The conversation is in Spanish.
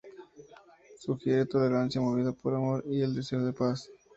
Sugiere tolerancia movida por amor y el deseo de paz.